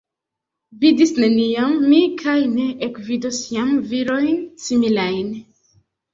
Vidis neniam mi kaj ne ekvidos jam virojn similajn.